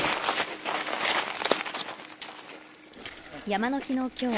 山の日の今日